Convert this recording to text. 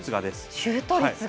シュート率が。